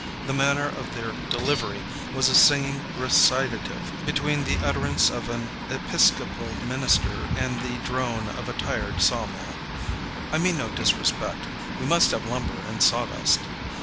The manner of their delivery was a singsong recitative between the utterance of an Episcopal minister and the drone of a tired sawmill. I mean no disrespect. We must have lumber and sawdust.